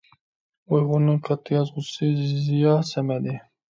ئۇيغۇرنىڭ كاتتا يازغۇچىسى زىيا سەمەدى.